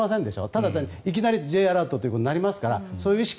ただ単に、いきなりＪアラートということになりますからそういう意識